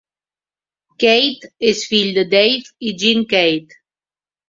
Keith és fill de Dave i Jean Keith.